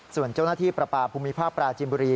ส่วนเจ้าหน้าที่ประปาภูมิภาคปราจิมบุรี